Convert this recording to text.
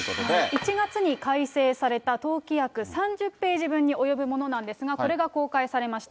１月に改正された党規約、３０ページ分に及ぶものなんですが、これが公開されました。